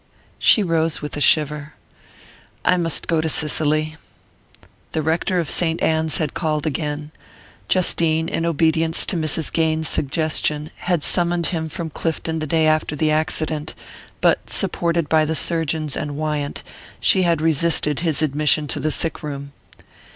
She rose with a shiver. "I must go to Cicely " The rector of Saint Anne's had called again. Justine, in obedience to Mrs. Gaines's suggestion, had summoned him from Clifton the day after the accident; but, supported by the surgeons and Wyant, she had resisted his admission to the sick room.